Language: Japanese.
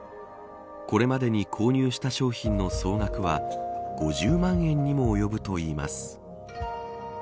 これまで購入した商品の総額は５０万円にも及ぶといいます。